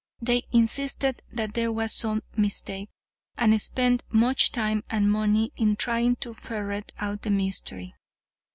They insisted that there was some mistake, and spent much time and money in trying to ferret out the mystery.